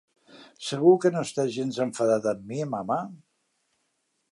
Segur que no estàs gens enfadada amb mi, mama?